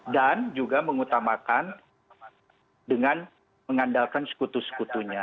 dan juga mengutamakan dengan mengandalkan sekutu sekutunya